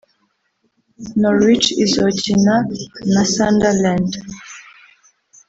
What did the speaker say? Norwich izokina na Sunderland